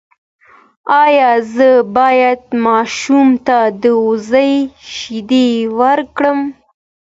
ایا زه باید ماشوم ته د وزې شیدې ورکړم؟